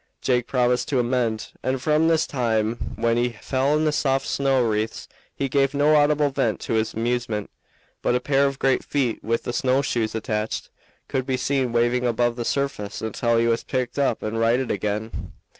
Jake promised to amend, and from this time when he fell in the soft snow wreaths he gave no audible vent to his amusement; but a pair of great feet, with the snow shoes attached, could be seen waving above the surface until he was picked up and righted again.